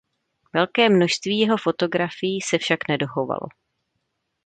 Velké množství jeho fotografií se však nedochovalo.